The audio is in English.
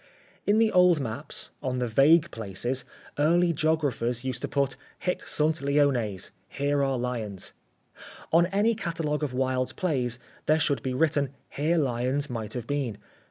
In the old maps, on the vague places, early geographers used to put: Hic sunt leones Here are lions. On any catalogue of Wilde's plays there should be written: Here lions might have been.